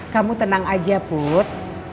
kamu tenang aja put